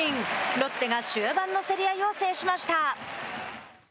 ロッテが終盤の競り合いを制しました。